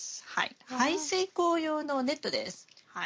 排水口用のネットです。